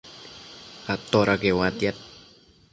atoda queuatiad?